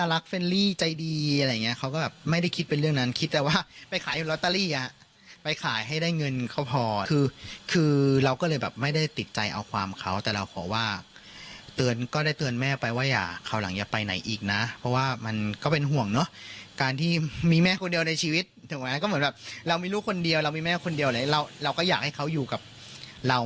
เรามีแม่คนเดียวเลยเราก็อยากให้เขาอยู่กับเรา